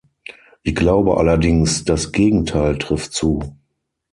Ich glaube allerdings, das Gegenteil trifft zu.